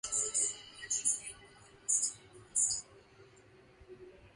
Both titles have descended via primogeniture to the present Baron.